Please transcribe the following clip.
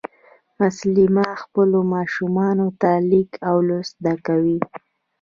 مسلیمه خپلو ماشومانو ته لیک او لوست زده کوي